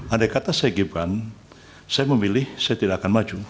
ada kata saya gibran saya memilih saya tidak akan maju